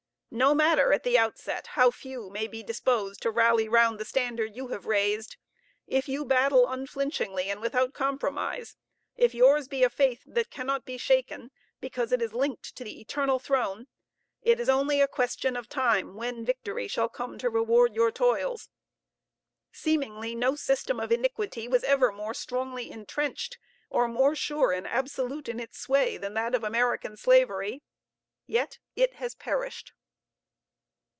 No matter at the outset how few may be disposed to rally round the standard you have raised if you battle unflinchingly and without compromise if yours be a faith that cannot be shaken, because it is linked to the Eternal Throne it is only a question of time when victory shall come to reward your toils. Seemingly, no system of iniquity was ever more strongly intrenched, or more sure and absolute in its sway, than that of American Slavery; yet it has perished.